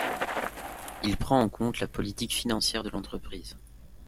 Il prend en compte la politique financière de l’entreprise.